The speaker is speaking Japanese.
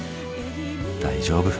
大丈夫。